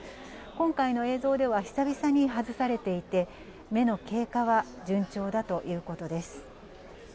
今回の映像では、久々に外されていて、目の経過は順調だということです。